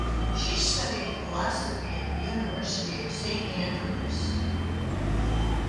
She studied philosophy at the University of St Andrews.